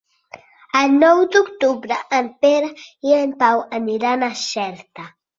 El nou d'octubre en Pere i en Pau aniran a Xerta.